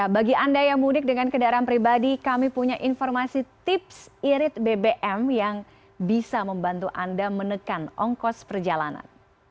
bagi anda yang mudik dengan kendaraan pribadi kami punya informasi tips irit bbm yang bisa membantu anda menekan ongkos perjalanan